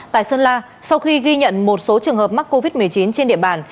tại sơn la sau khi ghi nhận một số trường hợp mắc covid một mươi chín trên địa bàn